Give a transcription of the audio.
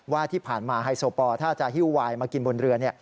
ว่าที่ผ่านมาไฮโซปอลถ้าจะฮิ้วไวน์มากินบนเรือ